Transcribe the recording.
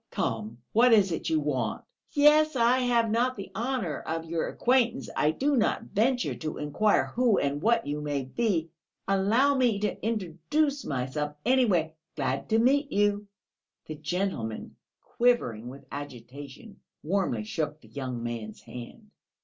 "Come, what is it you want?" "Yes ... I have not the honour of your acquaintance; I do not venture to inquire who and what you may be.... Allow me to introduce myself, anyway; glad to meet you!..." The gentleman, quivering with agitation, warmly shook the young man's hand.